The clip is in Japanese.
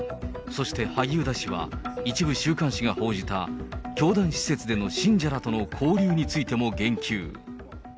そして萩生田氏は、一部週刊誌が報じた、教団施設での信者らとの交流についても言及。